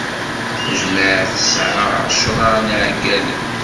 Tajmaɛt tesɛa ɛecṛa n iɛeggalen.